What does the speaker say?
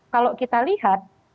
kalau kita lihat